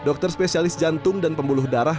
dokter spesialis jantung dan pembuluh darah